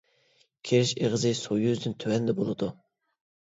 كىرىش ئېغىزى سۇ يۈزىدىن تۆۋەندە بولىدۇ.